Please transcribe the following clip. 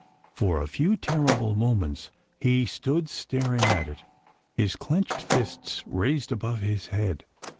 For a few terrible moments he stood staring at it, his clenched fists raised above his head.